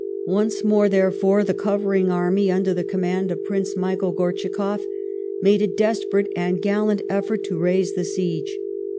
Once more, therefore, the covering army, under the command of Prince Michael Gortschakoff, made a desperate and gallant effort to raise the siege.